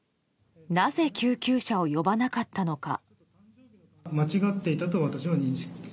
なぜ、救急車を呼ばなかったのか。